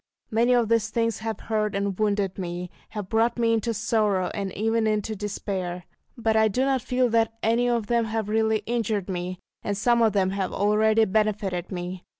Many of these things have hurt and wounded me, have brought me into sorrow, and even into despair. But I do not feel that any of them have really injured me, and some of them have already benefited me.